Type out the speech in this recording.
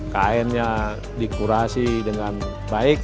kainnya dikurasi dengan baik